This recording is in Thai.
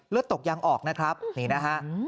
เลือดตกยังออกนะครับนี่นะครับ